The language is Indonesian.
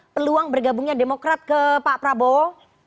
peluang bergabungnya demokrat ke pak prabowo